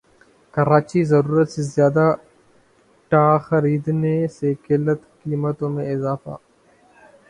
کراچی ضرورت سے زیادہ ٹا خریدنے سے قلت قیمتوں میں اضافہ